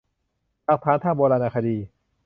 หลักฐานทางโบราณคดี